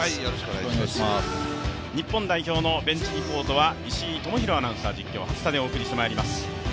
日本代表のベンチリポートは石井大裕アナウンサー、実況・初田でお送りしてまいります。